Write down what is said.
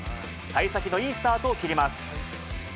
さい先のいいスタートを切ります。